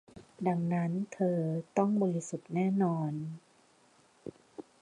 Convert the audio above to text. ดังนั้น เธอต้องบริสุทธิ์แน่นอน